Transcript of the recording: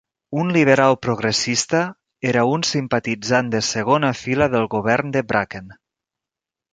Un liberal progressista, era un simpatitzant de segona fila del govern de Bracken.